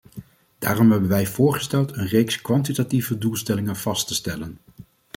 Daarom hebben wij voorgesteld een reeks kwantitatieve doelstellingen vast te stellen.